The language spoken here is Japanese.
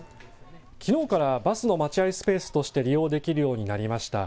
きのうからバスの待合スペースとして利用できるようになりました。